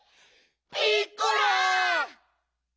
ピッコラ！